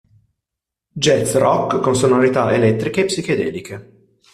Jazz rock con sonorità elettriche e psichedeliche.